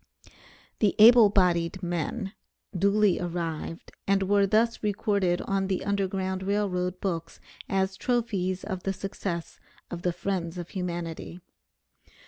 The "able bodied men" duly arrived, and were thus recorded on the Underground Rail Road books as trophies of the success of the friends of humanity.